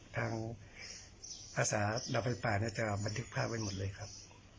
ทางภาษาดำไฟป่าจะบันทึกภาพไว้หมดเลยครับ